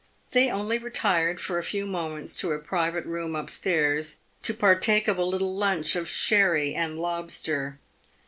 They only retired for a few moments to a private room up stairs, to partake of a little lunch of sherry and lobster.